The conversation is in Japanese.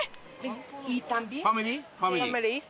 ファミリー？